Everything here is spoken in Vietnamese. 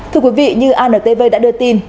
thưa quý vị như antv đã đưa tin